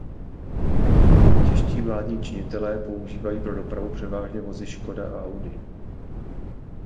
Čeští vládní činitelé používají pro dopravu převážně vozy Škoda a Audi.